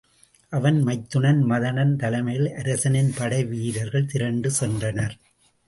அவன் மைத்துனன் மதனன் தலைமையில் அரசனின் படை வீரர்கள் திரண்டு சென்றனர்.